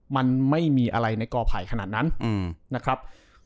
มันไม่มีอะไรในกอไผ่ขนาดนั้นนะครับ